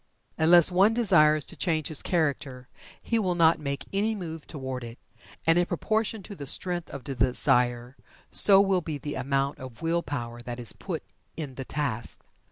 Unless one desires to change his character he will not make any move toward it. And in proportion to the strength of the desire, so will be the amount of will power that is put in the task.